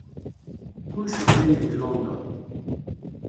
Kullec ɣlay deg London.